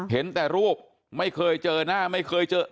เห็นแต่รูปไม่เคยเจอหน้าไม่เคยเจอ